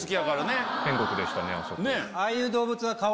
ああいう動物は。